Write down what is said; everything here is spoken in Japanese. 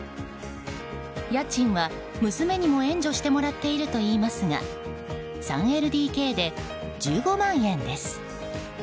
家賃は娘にも援助してもらっているといいますが３ＬＤＫで１５万円です。